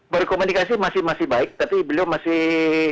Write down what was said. berkomunikasi masih baik tapi beliau masih